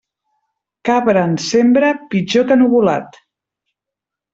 Cabra en sembra, pitjor que nuvolat.